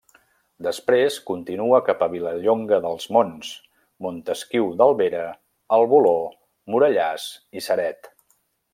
Després continua cap a Vilallonga dels Monts, Montesquiu d'Albera, el Voló, Morellàs i Ceret.